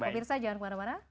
pak mirsa jangan kemana mana